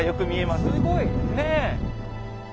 すごい！ねえ！